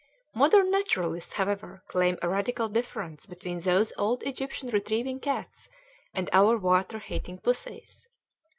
Modern naturalists, however, claim a radical difference between those old Egyptian retrieving cats and our water hating pussies.